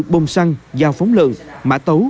bông xăng dao phóng lợn mã tấu